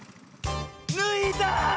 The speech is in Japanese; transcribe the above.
ぬいだ！